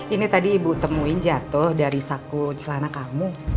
ini tadi ibu temuin jatuh dari saku celana kamu